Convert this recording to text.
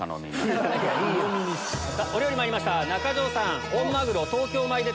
お料理まいりました中条さん。